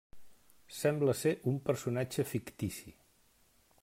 Sembla ser un personatge fictici.